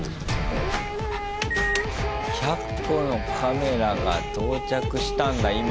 １００個のカメラが到着したんだ今。